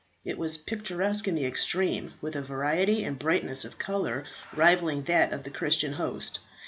It was picturesque in the extreme, with a variety and brightness of colour rivalling that of the Christian host.